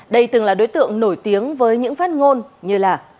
đây từng là đối tượng nổi tiếng với những phát ngôn như là